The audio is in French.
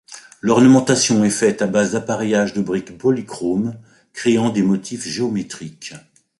L'ornementation est faite à base d'appareillage de briques polychromes, créant des motifs géométriques.